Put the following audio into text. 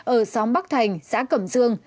ở xóm bắc thành xã cẩm dương